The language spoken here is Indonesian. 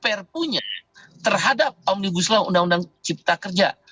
perpunya terhadap omnibus law undang undang cipta kerja